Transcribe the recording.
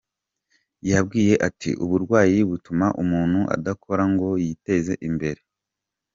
Yababwiye ati :"Uburwayi butuma umuntu adakora ngo yiteze imbere.